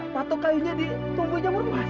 patok kayunya ditumbuhi jamur emas